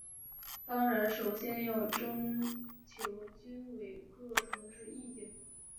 当然首先要征求军委各同志意见。